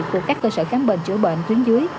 của các cơ sở khám bệnh chữa bệnh tuyến dưới